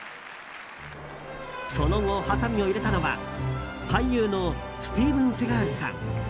その後、はさみを入れたのは俳優のスティーブン・セガールさん。